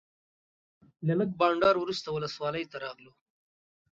له لږ بانډار وروسته ولسوالۍ ته راغلو.